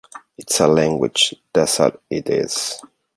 It's a language, that's all it is.